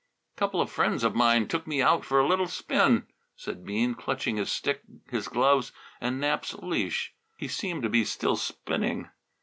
"Couple of friends of mine took me out for a little spin," said Bean, clutching his stick, his gloves and Nap's leash. He seemed to be still spinning.